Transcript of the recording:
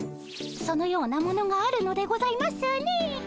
そのようなものがあるのでございますねえ。